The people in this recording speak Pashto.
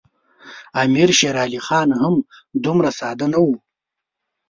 امیر شېر علي خان هم دومره ساده نه وو.